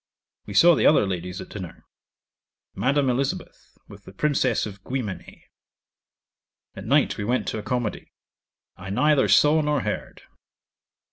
We saw the other ladies at dinner Madame Elizabeth, with the Princess of Guimené. At night we went to a comedy. I neither saw nor heard.